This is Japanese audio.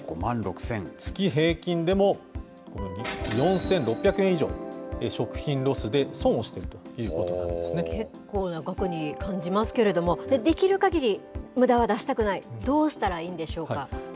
月平均でも、このように４６００円以上、食品ロスで損をしているということな結構な額に感じますけれども、できるかぎりむだは出したくない、どうしたらいいんでしょうか。